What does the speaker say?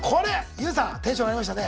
ＹＯＵさんテンション上がりましたね。